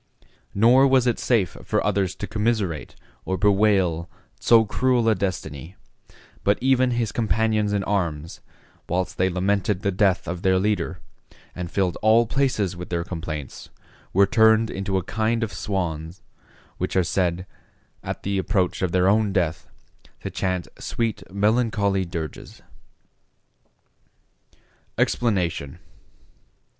Nor was it safe for others to commiserate or bewail so cruel a destiny; but even his companions in arms, whilst they lamented the death of their leader, and filled all places with their complaints, were turned into a kind of swans, which are said, at the approach of their own death, to chant sweet melancholy dirges. EXPLANATION.